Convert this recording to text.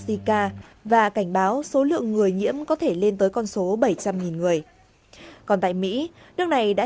sika và cảnh báo số lượng người nhiễm có thể lên tới con số bảy trăm linh người còn tại mỹ nước này đã